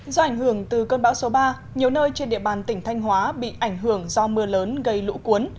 do ảnh hưởng từ cơn bão số ba nhiều nơi trên địa bàn tỉnh thanh hóa bị ảnh hưởng do mưa lớn gây lũ cuốn